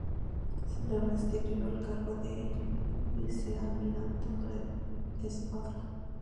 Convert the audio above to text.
Se le restituyó el cargo de vicealmirante de la escuadra.